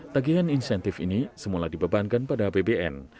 tagihan insentif ini semula dibebankan pada apbn